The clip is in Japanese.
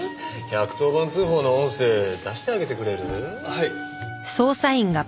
はい。